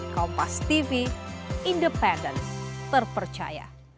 kompas tv independen terpercaya